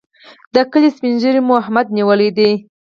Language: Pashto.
د کلي سپين ږيری مو احمد نیولی دی.